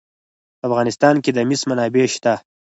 په افغانستان کې د مس منابع شته.